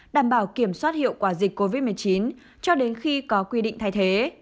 đảm bảo kiểm soát hiệu quả dịch covid một mươi chín cho đến khi có quy định thay thế